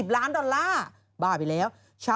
ล้านดอลลาร์บ้าไปแล้ว